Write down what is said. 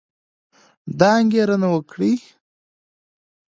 دا انګېرنه وکړئ